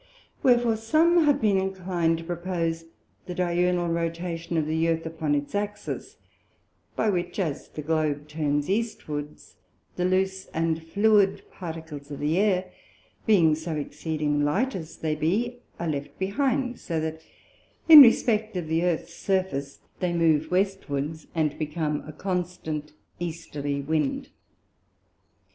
Wherefore some have been inclin'd to propose the diurnal Rotation of the Earth upon its Axis, by which, as the Globe turns Eastwards, the loose and fluid Particles of the Air, being so exceeding light as they be, are left behind, so that in respect of the Earths Surface they move Westwards, and become a constant Easterly Wind.